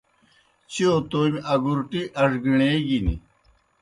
چِیؤ تومیْ اگوْرٹِی اڙگِݨیگِن۔